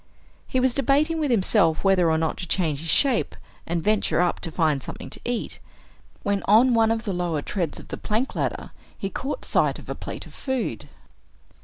He was debating with himself whether or not to change his shape and venture up to find something to eat, when on one of the lower treads of the plank ladder he caught sight of a plate of food.